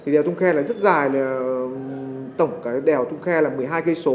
đèo thông khe rất dài tổng đèo thông khe là một mươi hai km